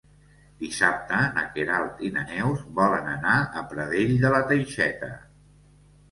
Dissabte na Queralt i na Neus volen anar a Pradell de la Teixeta.